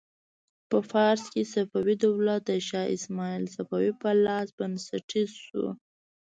په فارس کې صفوي دولت د شا اسماعیل صفوي په لاس بنسټیز شو.